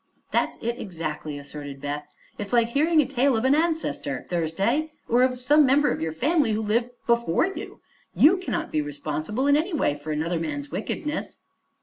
"That's it, exactly," asserted Beth. "It's like hearing a tale of an ancestor, Thursday, or of some member of your family who lived before you. You cannot be responsible, in any way, for another man's wickedness."